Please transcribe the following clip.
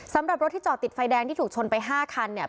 สำหรับรถที่จอดติดไฟแดงที่ถูกชนไป๕คันเนี่ย